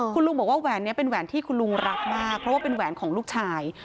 คุณลุงบอกว่าแหวนนี้เป็นแหวนที่คุณลุงรักมากเพราะว่าเป็นแหวนของลูกชาย